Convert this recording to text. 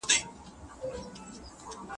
څېړونکي د خلکو د پوهې زیاتولو هڅه کوي.